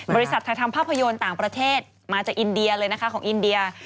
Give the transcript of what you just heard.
บริษัทถ่ายทำภาพยนตร์ต่างประเทศมาจากอินเดียเลยนะคะของอินเดีย